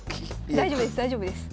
大丈夫です大丈夫です。